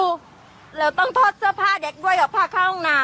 เราต้องทอดเสื้อผ้าเด็กด้วยเอาผ้าเข้าห้องน้ำ